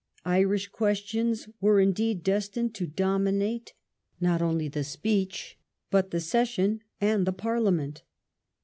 Irish questions were, indeed, destined to dominate not only the speech but the session and the Parliament.